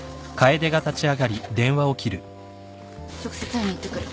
直接会いに行ってくる。